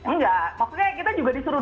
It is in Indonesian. enggak maksudnya kita juga disuruh